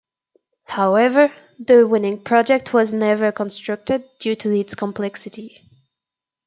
However, the winning project was never constructed due to its complexity.